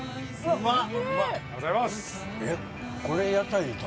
うまっ。